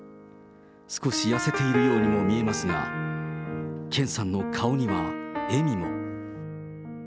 少し痩せているようにも見えますが、健さんの顔には、笑みも。